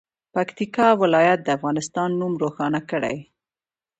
پکتیکا ولایت د افغانستان نوم روښانه کړي.